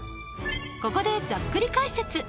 ここでざっくり解説！